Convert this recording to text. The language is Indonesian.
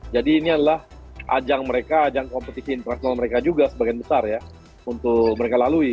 jadi ini adalah ajang mereka ajang kompetisi infrastruktur mereka juga sebagian besar ya untuk mereka lalui